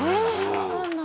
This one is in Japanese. わかんない。